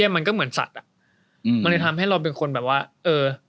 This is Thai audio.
มันก็เหมือนสัตว์อ่ะอืมมันเลยทำให้เราเป็นคนแบบว่าเออ